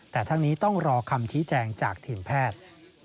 แต่ทั้งนี้ต้องรอคำชี้แจงจากทีมแพทย์